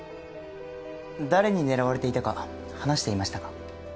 誰に狙われていたか話していましたか？